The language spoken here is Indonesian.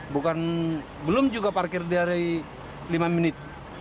bukan belum juga parkir diare lima menit